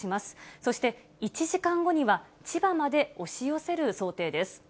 そして１時間後には千葉まで押し寄せる想定です。